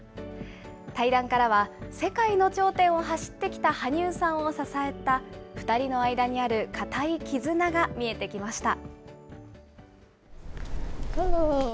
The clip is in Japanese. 対談からは、世界の頂点を走ってきた羽生さんを支えた、２人の間にある固い絆が見えてきました。